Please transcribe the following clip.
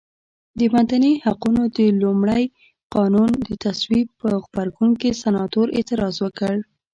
د مدني حقونو د لومړ قانون د تصویب په غبرګون کې سناتور اعتراض وکړ.